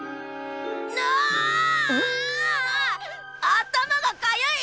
頭がかゆい！